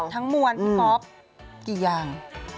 ทั้งหมวนผมกี่อย่าง